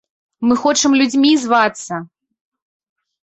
Мы хочам людзьмі звацца!